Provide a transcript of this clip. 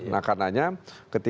nah karenanya ketika